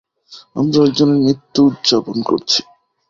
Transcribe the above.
আমরা একজনের মৃত্যু উদযাপন করছি।